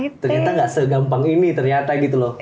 ternyata nggak segampang ini ternyata gitu loh